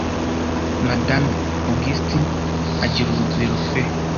madame augustin agira urugwiro pe